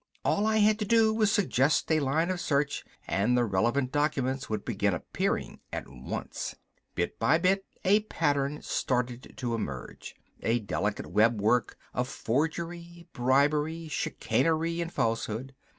All I had to do was suggest a line of search and the relevant documents would begin appearing at once. Bit by bit a pattern started to emerge. A delicate webwork of forgery, bribery, chicanery and falsehood.